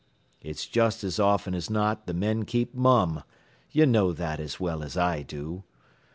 It's just as often as not th' men keep mum. You know that as well as I do.